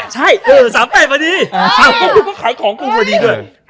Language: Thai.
๓๘อ๋อใช่๓๘มาดีกูก็ขายของกูมาดีด้วย